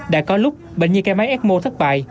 đã có lúc bệnh nhân cái máy ecmo thất bại